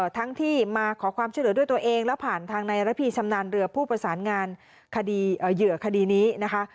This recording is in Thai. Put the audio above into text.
ทั้งที่มาขอความช่วยเหลือด้วยตัวเองแล้วผ่านทางในระพีชำนาญเรือผู้ประสานงานคดีเหยื่อคดีนี้นะคะ